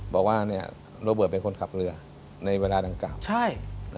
บอกว่าโรเบิร์ตเป็นคนขับเรือในเวลาดังกล่าวใช่